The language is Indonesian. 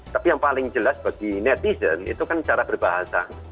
tapi yang paling jelas bagi netizen itu kan cara berbahasa